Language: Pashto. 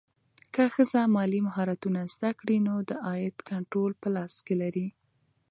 که ښځه مالي مهارتونه زده کړي، نو د عاید کنټرول په لاس کې لري.